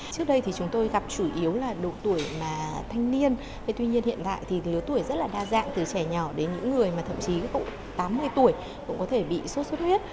trước đây chúng tôi gặp chủ yếu là độ tuổi thanh niên tuy nhiên hiện tại lượng tuổi rất đa dạng từ trẻ nhỏ đến những người thậm chí tám mươi tuổi cũng có thể bị sốt xuất huyết